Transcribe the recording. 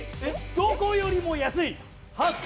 どこよりも安い。